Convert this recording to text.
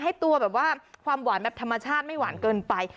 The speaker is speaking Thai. ให้ตัวแบบว่าความหวานแบบธรรมชาติไม่หวานเกินไป